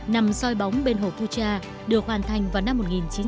nằm soi bóng bên hồ pucha được hoàn thành vào năm một nghìn chín trăm chín mươi chín